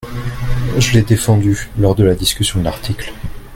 Je l’ai défendu lors de la discussion de l’article.